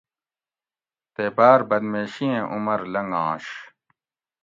تے باۤر بدمیشی ایں عمر لنگاںش